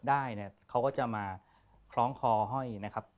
ได้เนี่ยเขาก็จะมาคล้องคอห้อยนะครับ